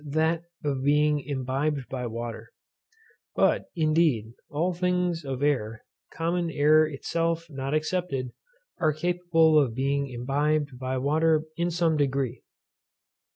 that of being imbibed by water. But, indeed, all kinds of air, common air itself not excepted, are capable of being imbibed by water in some degree.